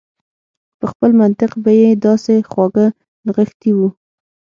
په خپل منطق به يې داسې خواږه نغښتي و.